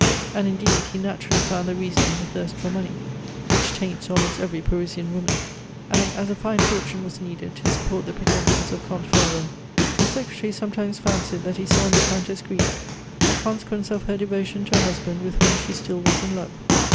And, indeed, he naturally found the reason in the thirst for money, which taints almost every Parisian woman; and as a fine fortune was needed to support the pretensions of Comte Ferraud, the secretary sometimes fancied that he saw in the Countess' greed a consequence of her devotion to a husband with whom she still was in love.